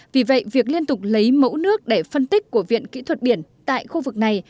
vì vậy việc liên tục lấy mẫu nước để phân tích của viện kỹ thuật biển tại khu vực này